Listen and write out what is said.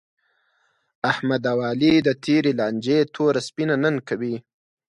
احمد او علي د تېرې لانجې توره سپینه نن کوي.